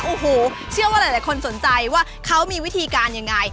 โอ้โหเชื่อว่าหลายคนสนใจว่าเขามีวิธีการยังไง